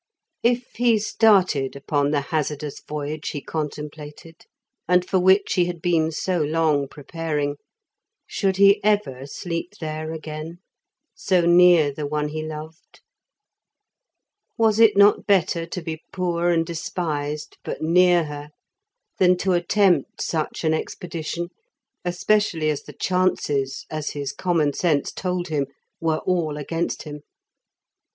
If he started upon the hazardous voyage he contemplated, and for which he had been so long preparing, should he ever sleep there again, so near the one he loved? Was it not better to be poor and despised, but near her, than to attempt such an expedition, especially as the chances (as his common sense told him) were all against him?